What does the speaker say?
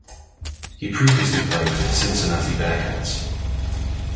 He previously played for the Cincinnati Bearcats.